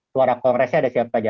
suara kongresnya ada siapa aja